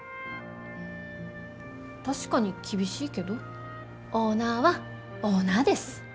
確かに厳しいけどオーナーはオーナーです。